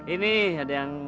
ini ada yang